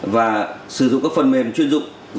và sử dụng các phần mềm chuyên dụng